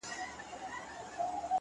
راسره جانانه ؛